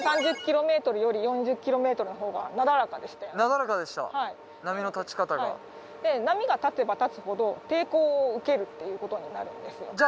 ３０キロメートルより４０キロメートルのほうがなだらかでしたなだらかでした波の立ち方が波が立てば立つほど抵抗を受けるっていうことになるんですよ